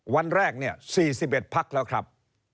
วันแรก๔๑พักแล้วครับ